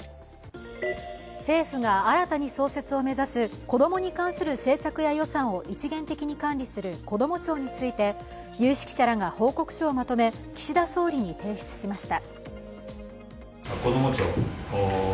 政府が新たに創設を目指す子供に関する政策や予算を一元的に管理するこども庁について有識者らが報告書をまとめ岸田総理に提出しました。